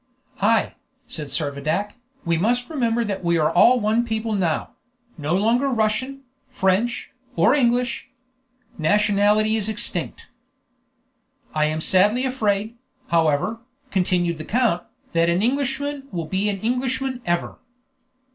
"Ay," said Servadac, "we must remember that we are all one people now; no longer Russian, French, or English. Nationality is extinct." "I am sadly afraid, however," continued the count, "that an Englishman will be an Englishman ever."